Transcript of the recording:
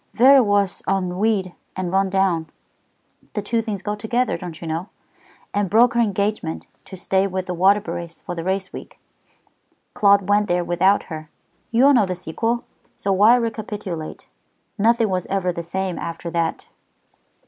Vera was ennuied and run down the two things go together, don't you know and broke her engagement to stay with the Waterburys for the race week. Claude went there without her. You all know the sequel, so why recapitulate? Nothing was ever the same after that."